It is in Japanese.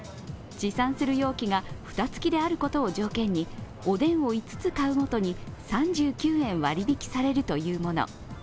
持参する容器が蓋つきであることを条件におでんを５つ買うごとに、３９円割引きされるというもの。